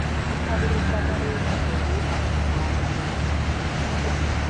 Okutabula eddagala eritta obuwuka si kwa buli omu.